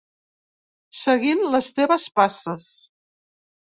Seguint les teves passes.